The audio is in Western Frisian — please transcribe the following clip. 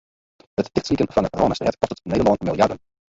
It tichtslykjen fan de Rânestêd kostet Nederlân miljarden.